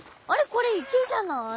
これ池じゃない？わ！